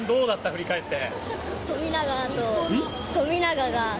振り返って。